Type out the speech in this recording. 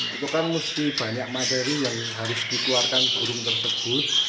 itu kan mesti banyak materi yang harus dikeluarkan burung tersebut